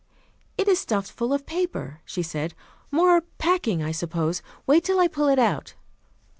"It is stuffed full of paper," she said. "More packing, I suppose. Wait till I pull it out."